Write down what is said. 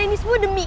ini semua demi